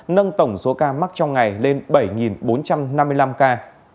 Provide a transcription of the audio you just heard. nâng tổng số ca mắc trong ngày lên bảy bốn trăm năm mươi năm ca